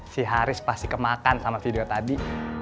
si haris pasti kemakan sama video tadi